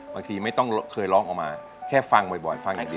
มีต้องเคยร้องออกมาแค่ฟังบ่อยประมาณนี้